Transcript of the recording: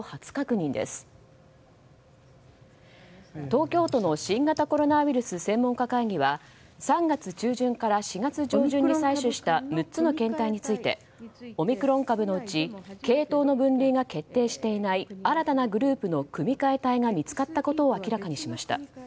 東京都の新型コロナウイルス専門家会議は３月中旬から４月上旬に採取した６つの検体についてオミクロン株のうち系統の分類が決定していない新たなグループの組み換え体が見つかったことを明らかにしました。